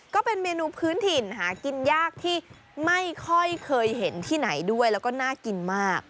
ก็เป็นเมนูพื้นถิ่นหากินยากที่ไม่ค่อยเคยเห็นที่ไหนด้วยแล้วก็น่ากินมาก